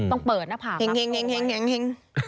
ต้องเปิดหน้าผากรับโชคไว้